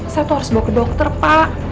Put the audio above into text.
saya tuh harus bawa ke dokter pak